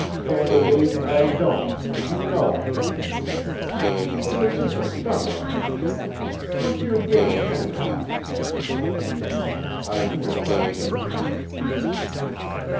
"Candidly, I don't, and you know it," he said. "But this is a stunner on me. What's your game, anyhow?" I wished I knew.